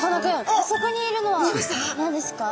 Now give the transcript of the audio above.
あそこにいるのは何ですか？